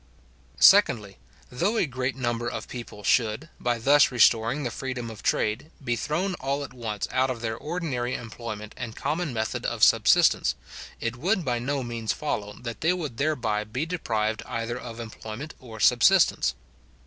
Secondly, Though a great number of people should, by thus restoring the freedom of trade, be thrown all at once out of their ordinary employment and common method of subsistence, it would by no means follow that they would thereby be deprived either of employment or subsistence.